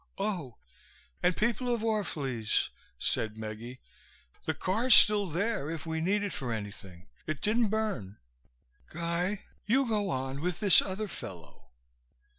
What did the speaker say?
"Oh, and people of Orph'lese," said Meggie, "the car's still there if we need it for anything. It didn't burn. Guy, you go on with this other fellow."